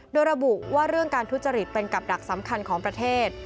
โดยระบุว่าเรื่องการทุจริตเป็นกับดักสำคัญของประเทศ